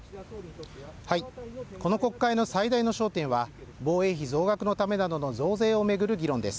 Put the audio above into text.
この国会の最大の焦点は、防衛費増額のためなどの増税を巡る議論です。